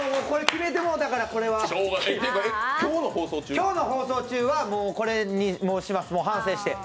今日の放送中はこれにします、反省して。